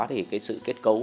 thì cái sự kết cấu